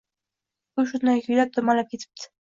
U shunday kuylab dumalab ketibdi